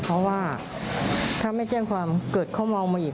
เพราะว่าถ้าไม่แจ้งความเกิดเขามองมาอีก